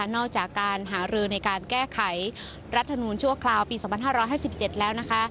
จากการหารือในการแก้ไขรัฐมนูลชั่วคราวปี๒๕๕๗แล้วนะคะ